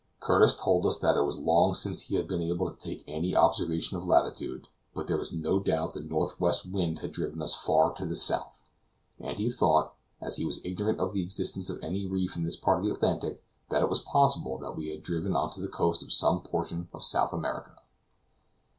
Curtis told us that it was long since he had been able to take any observation of latitude, but there was no doubt the northwest wind had driven us far to the south; and he thought, as he was ignorant of the existence of any reef in this part of the Atlantic, that it was just possible that we had been driven on to the coast of some portion of South America.